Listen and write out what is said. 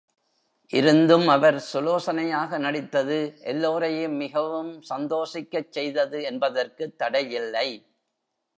இருந்தும் அவர் சுலோசனையாக நடித்தது எல்லோரையும் மிகவும் சந்தோஷிக்கச் செய்தது என்பதற்குத் தடையில்லை.